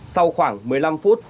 sau khoảng một mươi năm phút